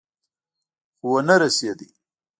خو ونه رسېد.